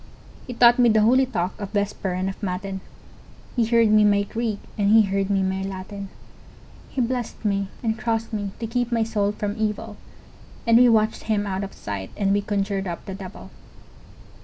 He taught me the holy talk of Vesper and of Matin, He heard me my Greek and he heard me my Latin, He blessed me and crossed me to keep my soul from evil, And we watched him out of sight, and we conjured up the devil!